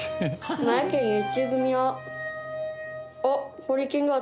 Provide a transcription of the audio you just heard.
あっ！